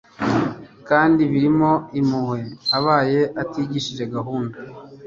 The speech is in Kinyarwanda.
kandi birimo impuhwe abaye atigishije gahunda